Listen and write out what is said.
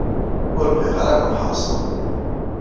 Ur bɣiɣ ara ad ken-ḥeṛseɣ.